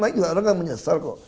maka juga orang akan menyesal kok